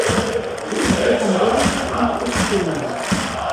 Sie ist evangelischer Konfession.